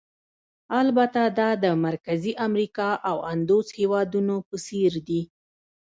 البته دا د مرکزي امریکا او اندوس هېوادونو په څېر دي.